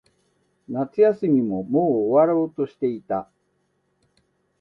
夏休みももう終わろうとしていた。